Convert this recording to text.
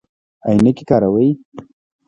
عینکې کاروئ؟